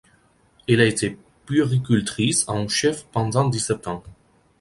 Elle a été puéricultrice en chef pendant dix-sept ans.